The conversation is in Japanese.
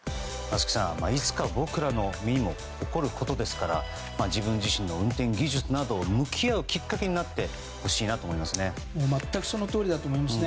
松木さん、いつか僕らの身にも起こることですから自分自身の運転技術などを向き合うきっかけになってほしいなと思います。